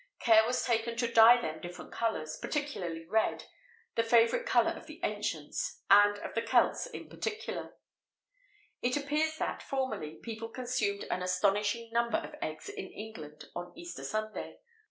Care was taken to dye them different colours, particularly red the favourite colour of the ancients, and of the Celts in particular.[XVIII 88] It appears that, formerly, people consumed an astonishing number of eggs in England on Easter Sunday.